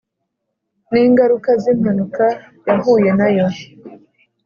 ningaruka zimpanuka yahuye nayo,